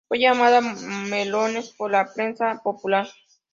Fue llamada "Melones" por la prensa popular.